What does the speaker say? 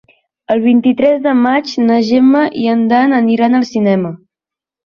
El vint-i-tres de maig na Gemma i en Dan aniran al cinema.